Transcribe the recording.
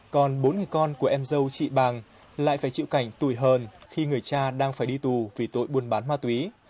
của em dâu chị bàng lại phải chịu cảnh tùy hờn khi người cha đang phải đi tù vì tội buôn bán ma túy